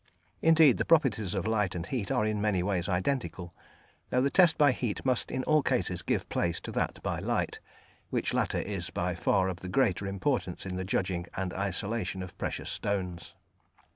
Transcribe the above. Indeed, the properties of light and heat are in many ways identical, though the test by heat must in all cases give place to that by light, which latter is by far of the greater importance in the judging and isolation of precious stones.